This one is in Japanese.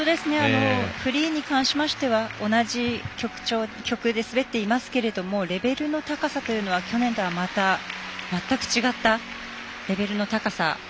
フリーに関しましては同じ曲で滑っていますけれどもレベルの高さというのは去年とはまた、全く違ったレベルの高さ。